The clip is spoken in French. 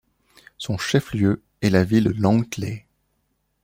Son chef-lieu est la ville de Lawngtlai.